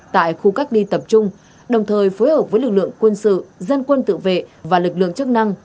tại khu cách ly tập trung đồng thời phối hợp với lực lượng quân sự dân quân tự vệ và lực lượng chức năng